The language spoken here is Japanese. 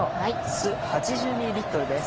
酢８０ｍです。